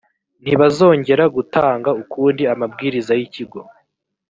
ntibazongera gtanga ukundi amabwiriza y’ ikigo.